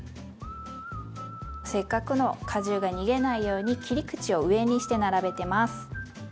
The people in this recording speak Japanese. せっかくの果汁が逃げないように切り口を上にして並べてます。